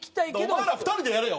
お前ら２人でやれよ！